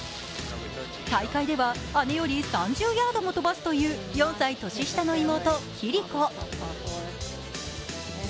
大会では姉より３０ヤードも飛ばすという４歳年下の妹・暉璃子。